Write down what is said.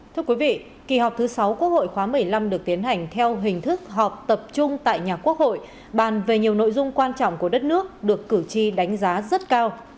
thưa quý vị kỳ họp thứ sáu quốc hội khóa một mươi năm được tiến hành theo hình thức họp tập trung tại nhà quốc hội bàn về nhiều nội dung quan trọng của đất nước được cử tri đánh giá rất cao